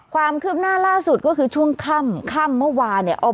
ความคืบหน้าล่าสุดก็คือช่วงค่ำค่ำเมื่อวานเนี่ย